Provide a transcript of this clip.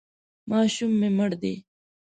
ماشوم مې مړ دی.